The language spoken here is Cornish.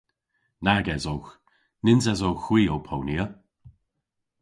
Nag esowgh. Nyns esowgh hwi ow ponya.